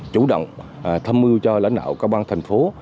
chủ động thâm ưu cho lãnh đạo các bang thành phố